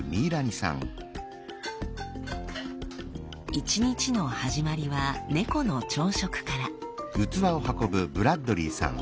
一日の始まりは猫の朝食から。